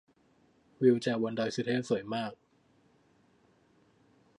วิวจากบนดอยสุเทพสวยมาก